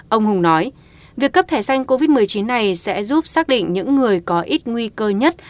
ông hùng nói việc cấp thẻ xanh covid một mươi chín này sẽ giúp xác định những người có ít nguy cơ nhất